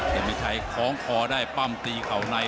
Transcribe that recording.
จะไม่ใช้ของคอได้ปั้มตีเขาใน